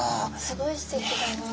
すごいすてきだな。